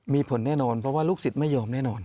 มีผลแน่นอนเพราะว่าลูกศิษย์ไม่ยอมแน่นอน